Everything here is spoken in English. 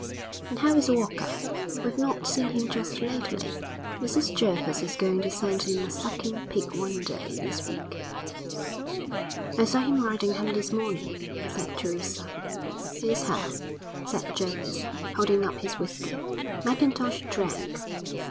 "And how is Walker? We've not seen him just lately. Mrs Jervis is going to send him a sucking pig one day this week." "I saw him riding home this morning," said Teresa. "Here's how," said Jervis, holding up his whisky. Mackintosh drank.